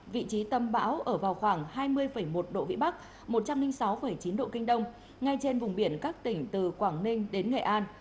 vị trí tâm bão ở vào khoảng hai mươi một độ vĩ bắc một trăm linh sáu chín độ kinh đông ngay trên vùng biển các tỉnh từ quảng ninh đến nghệ an